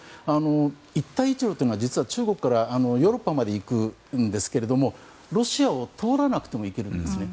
一帯一路というのは実は中国からヨーロッパまで行くんですけどロシアを通らなくても行けるんですね。